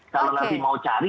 kalau nanti mau cari